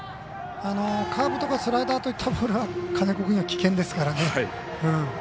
カーブとかスライダーといったボールは金子君には危険ですから。